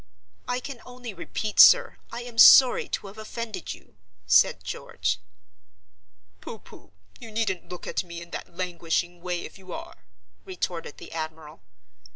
"I can only repeat, sir, I am sorry to have offended you," said George. "Pooh! pooh! you needn't look at me in that languishing way if you are," retorted the admiral.